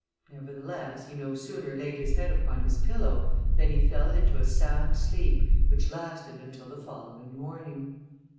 Nevertheless, he no sooner laid his head upon his pillow, than he fell into a sound sleep, which lasted until the following morning.